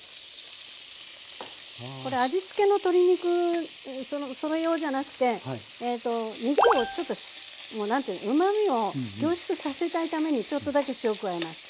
これ味付けの鶏肉それ用じゃなくてえっと肉をちょっと何ていうのうまみを凝縮させたいためにちょっとだけ塩加えます。